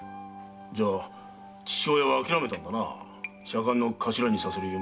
じゃあ父親はあきらめたんだな左官の頭にさせる夢を。